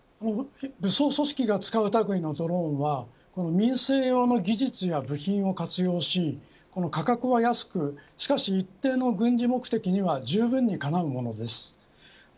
武装組織が使うたぐいのドローンは民生用の技術や部品を活用し価格は安くしかし一定の軍事目的にはじゅうぶんにかなうものです。